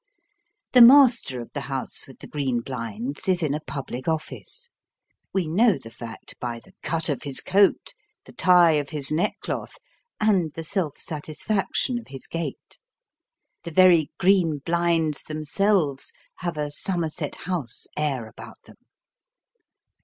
The master of the house with the green blinds is in a public office ; wo know the fact by the cut of his coat, the tie of his neckcloth, and the self satisfaction of his gait the very green blinds themselves have a Somerset House air about them.